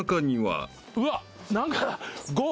・うわっ何か。